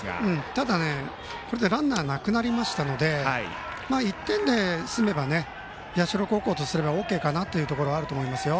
ただランナーなくなりましたので１点で済めば、社高校とすればＯＫかなというところあると思いますよ。